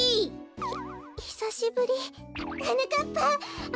ひひさしぶり！はなかっぱあ